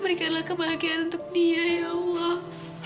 berikanlah kebahagiaan untuk dia ya allah